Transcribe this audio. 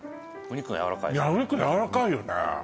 お肉やわらかいよね